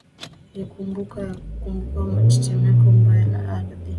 ye kumbukumbu ya kukumbwa na tetemeko mbaya la ardhi